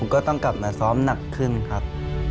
ก็ต้องกลับมาซ้อมหนักขึ้นครับ